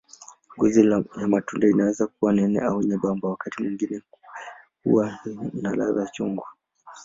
Ngozi ya tunda inaweza kuwa nene au nyembamba, wakati mwingine huwa na ladha chungu.